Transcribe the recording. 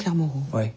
はい。